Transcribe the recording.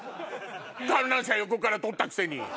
観覧車横から撮ったくせに。